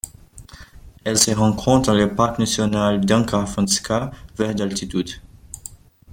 Elle se rencontre dans le parc national d'Ankarafantsika vers d'altitude.